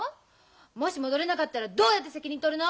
もし戻れなかったらどうやって責任取るの！？